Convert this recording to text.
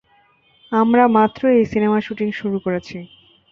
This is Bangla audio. আমরা মাত্রই এই সিনেমার শুটিং শুরু করেছি।